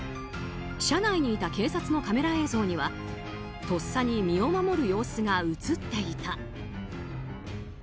車内にいた警察のカメラ映像にはとっさに身を守る様子が映っていた。